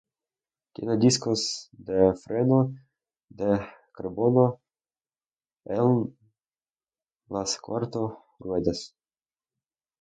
Tiene discos de freno de carbono eln las cuatro ruedas.